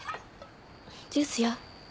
ジュースよ。